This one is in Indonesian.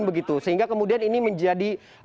begitu sehingga kemudian ini menjadi